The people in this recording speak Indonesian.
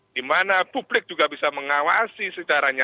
di mana publik juga bisa mengawasi secara nyata